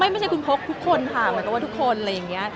ไม่ใช่คุณพกทุกคนค่ะเหมือนกับว่าทุกคนอะไรอย่างนี้